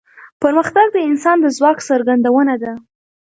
پرمختګ د انسان د ځواک څرګندونه ده.